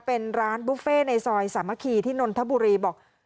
เป็นร้านบุฟเฟ่ในซอยสามัคคีที่นนทบุรีบอก